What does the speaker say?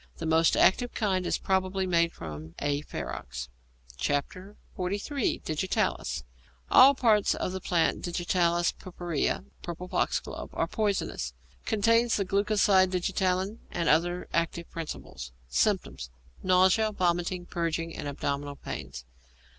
The most active kind is probably made from A. ferox. XLIII. DIGITALIS All parts of the plant Digitalis purpurea (purple foxglove) are poisonous. Contains the glucoside digitalin and other active principles. Symptoms. Nausea, vomiting, purging, and abdominal pains.